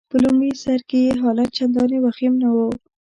په لمړي سر کي يې حالت چنداني وخیم نه وو.